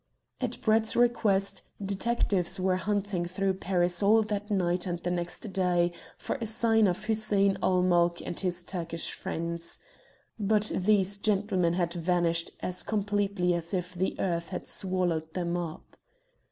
At Brett's request, detectives were hunting through Paris all that night and the next day for a sign of Hussein ul Mulk and his Turkish friends. But these gentlemen had vanished as completely as if the earth had swallowed them up.